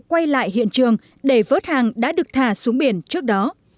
quay lại hiện trường để vớt hàng đã được thả xuống biển trước đó